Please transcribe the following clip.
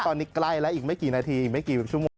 ตอนนี้ใกล้แล้วอีกไม่กี่นาทีอีกไม่กี่ชั่วโมง